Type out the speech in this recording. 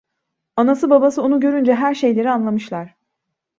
Anası babası onu görünce her şeyleri anlamışlar.